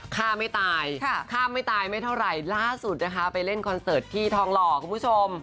ฆ่าไม่ตายฆ่าไม่ตายไม่เท่าไหร่ล่าสุดนะคะไปเล่นคอนเสิร์ตที่ทองหล่อคุณผู้ชม